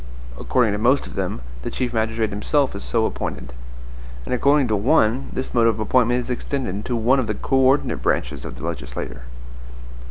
According to most of them, the chief magistrate himself is so appointed. And according to one, this mode of appointment is extended to one of the co ordinate branches of the legislature.